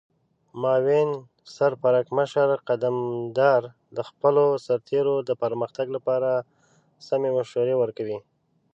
معاون سرپرکمشر قدمدار د خپلو سرتیرو د پرمختګ لپاره سمې مشورې ورکوي.